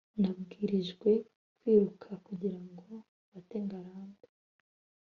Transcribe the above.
nabwirijwe kwiruka kugira ngo mfate ngarambe